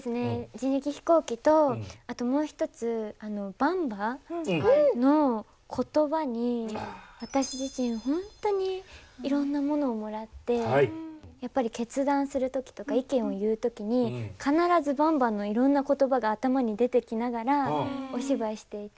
人力飛行機とあともう一つばんばの言葉に私自身本当にいろんなものをもらってやっぱり決断する時とか意見を言う時に必ずばんばのいろんな言葉が頭に出てきながらお芝居していて。